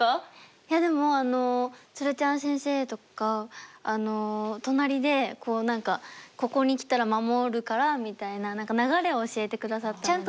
いやでも鶴ちゃん先生とか隣でこう何か「ここにきたら守るから」みたいな流れを教えて下さったので。